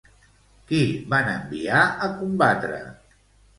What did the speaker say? Qui van enviar a combatre?